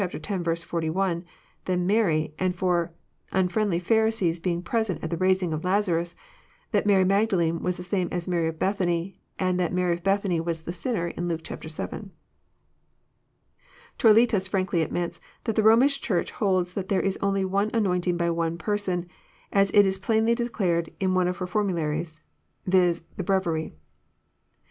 41, than Mary, and for nnfriendly Pharisees being present at the raisin*; of Lazarus ;— that Mary Magdalene was the same as Mary of Bethany, and that Mary of Bethany was the *' sinner,*' In Luke Til. Toletas frankly admits that the Romish Chnrch holds that there was only one anointing by one person, as it is plainly de clared in one of her formularies : viz., the Breviary.